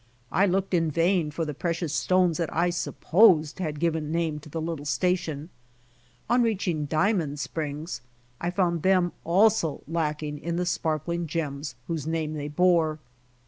I looked in vain for the precious stones that I supposed had given nainie to the little station. On reaching Diamond springs, I found them also lacking in the sparkling gems whose name they bore.